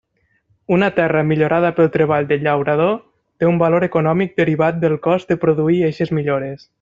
Una terra millorada pel treball del llaurador té un valor econòmic derivat del cost de produir eixes millores.